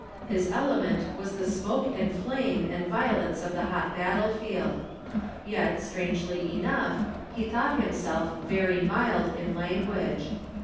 His element was the smoke and flame and violence of the hot battle field. Yet, strangely enough, he thought him self very mild in language.